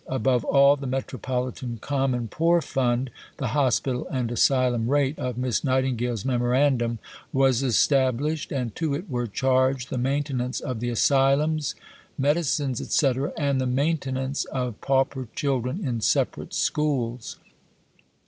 Above all, the "Metropolitan Common Poor Fund" (the "Hospital and Asylum Rate" of Miss Nightingale's Memorandum) was established, and to it were charged the maintenance of the "asylums," medicines, etc., and the maintenance of pauper children in separate schools.